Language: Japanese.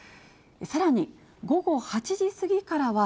さらに午後８時過ぎからは、